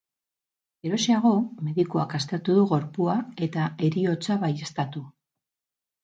Geroxeago, medikuak aztertu du gorpua, eta heriotza baieztatu.